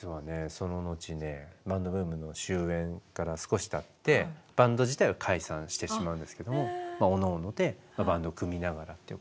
その後ねバンドブームの終えんから少したってバンド自体は解散してしまうんですけどもおのおのでバンド組みながらっていうことで。